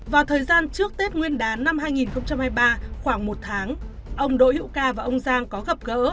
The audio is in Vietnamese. vào thời gian trước tết nguyên đán năm hai nghìn hai mươi ba khoảng một tháng ông đỗ hữu ca và ông giang có gặp gỡ